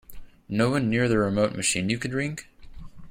No one near the remote machine you could ring?